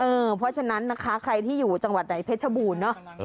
เพราะฉะนั้นนะคะใครที่อยู่จังหวัดไหนเพชรบูรณ์เนอะ